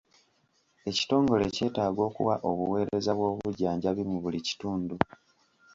Ekitongole kyetaaga okuwa obuweereza bw'obujjanjabi mu buli kitundu.